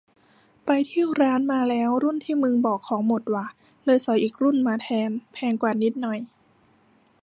ไปที่ร้านมาแล้ว รุ่นที่มึงบอกของหมดว่ะ เลยสอยอีกรุ่นมาแทน แพงกว่านิดหน่อย